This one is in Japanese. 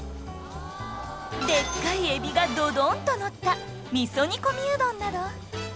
でっかいエビがドドンとのったみそ煮込みうどんなど